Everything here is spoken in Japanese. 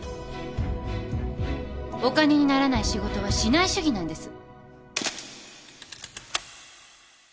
お金にならない仕事はしない主義なんです。